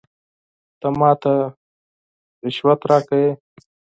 ته ماته رشوت راکوې ؟